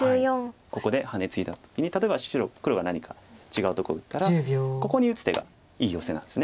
ここでハネツイだ時に例えば黒が何か違うとこ打ったらここに打つ手がいいヨセなんです。